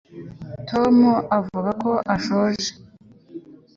tom avuga ko ashonje